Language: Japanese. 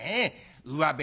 うわべ